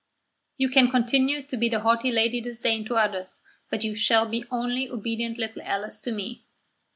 "You can continue to be the haughty Lady Disdain to others, but you shall be only obedient little Alice to me."